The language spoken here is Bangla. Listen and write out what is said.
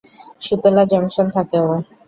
সুপেলা জাংশন থাকে ও।